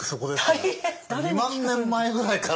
２万年前ぐらいから。